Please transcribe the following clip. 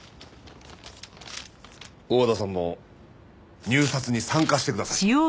大和田さんも入札に参加してください。